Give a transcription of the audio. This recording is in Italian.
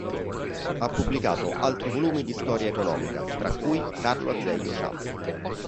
Ha pubblicato altri volumi di storia economica, tra cui "Carlo Azeglio Ciampi.